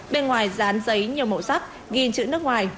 bên ngoài dán giấy nhiều màu sắc ghi chữ nước ngoài